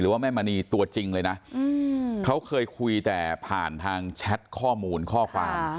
ว่าแม่มณีตัวจริงเลยนะเขาเคยคุยแต่ผ่านทางแชทข้อมูลข้อความ